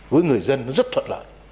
với người dân nó rất thuận lợi